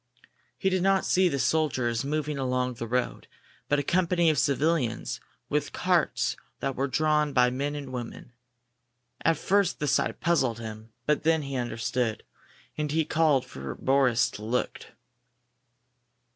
He did not see soldiers moving along the road, but a company of civilians, with carts that were drawn by men and women. At first the sight puzzled him, but then he understood, and he called to Boris to look.